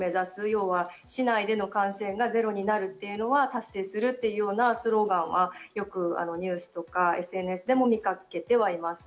要は市内の感染がゼロになるというのを達成するというスローガンはよくニュースやＳＮＳでも見かけます。